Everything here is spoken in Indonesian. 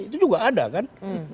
itu juga ada kan